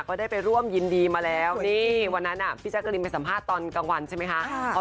ก็ได้ไปร่วมยินดีมาแล้วนี่วันนั้นพี่แจ๊กกะลินไปสัมภาษณ์ตอนกลางวันใช่ไหมคะ